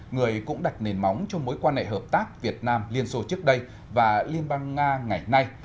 người cũng đặt nền móng cho mối quan hệ hợp tác việt nam liên xô trước đây và liên bang nga ngày nay